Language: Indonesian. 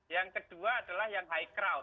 yang kedua adalah yang high crowd